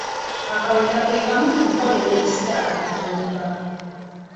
Akaweta ke kamu ku nkola ey'ekizaalagumba.